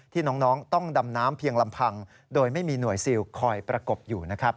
ที่น้องต้องดำน้ำเพียงลำพังโดยไม่มีหน่วยซิลคอยประกบอยู่นะครับ